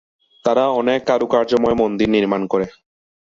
তারা অনেক কারুকার্যময় মন্দির নির্মাণ করে।